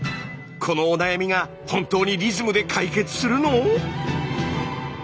このお悩みが本当にリズムで解決するの？